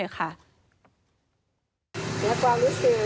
แล้วกว่ารู้สึก